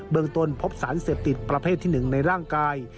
ตนพบสารเสพติดประเภทที่๑ในร่างกาย